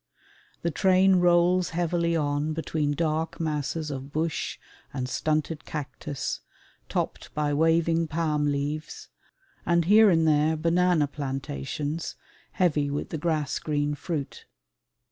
The train rolls heavily on between dark masses of bush and stunted cactus, topped by waving palm leaves, and here and there banana plantations, heavy with the grass green fruit.